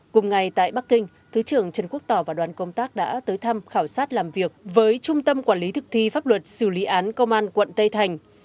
cùng ngày tại bắc kinh thứ trưởng trần quốc tỏ và đoàn công tác đã tới thăm khảo sát làm việc với trung tâm quản lý thực thi pháp luật xử lý án công an quận tây thành